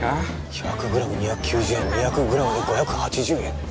１００グラム２９０円２００グラムで５８０円。